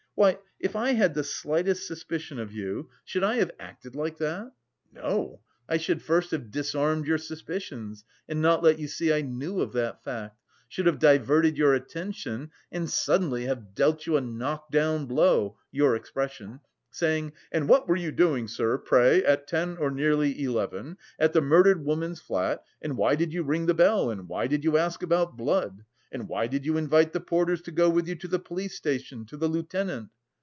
Why, if I had the slightest suspicion of you, should I have acted like that? No, I should first have disarmed your suspicions and not let you see I knew of that fact, should have diverted your attention and suddenly have dealt you a knock down blow (your expression) saying: 'And what were you doing, sir, pray, at ten or nearly eleven at the murdered woman's flat and why did you ring the bell and why did you ask about blood? And why did you invite the porters to go with you to the police station, to the lieutenant?